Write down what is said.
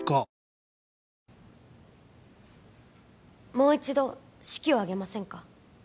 もう一度式を挙げませんか？